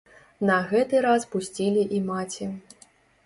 На гэты раз пусцілі і маці.